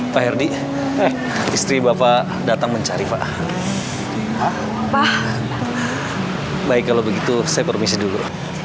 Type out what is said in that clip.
pak herdy istri bapak datang mencari pak baik kalau begitu saya permisi dulu